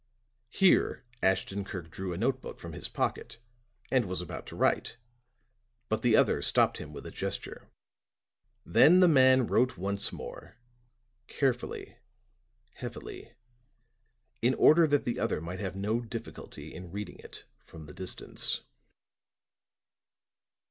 Here Ashton Kirk drew a note book from his pocket and was about to write, but the other stopped him with a gesture. Then the man once more wrote; carefully, heavily, in order that the other might have no difficulty in reading it from the distance.